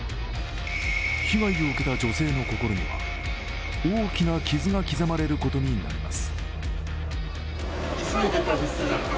被害を受けた女性の心には大きな傷が刻まれることになります。